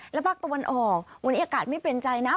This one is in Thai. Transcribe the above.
และภาคตะวันออกวันนี้อากาศไม่เป็นใจนะ